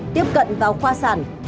tiếp cận vào khoa sản